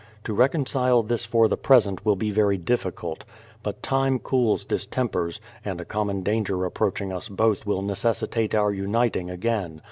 To reconcile this for the present will be very difficult; but time cools distempers, and a common danger approaching us both will necessitate our uniting again.